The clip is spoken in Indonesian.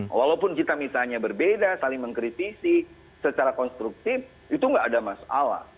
walaupun kita misalnya berbeda saling mengkritisi secara konstruktif itu nggak ada masalah